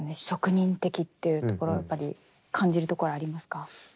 職人的っていうところはやっぱり感じるところはありますか？